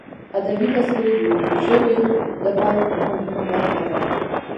ادبي تذکرې د یوه ژبې لپاره خورا مهمه برخه ده.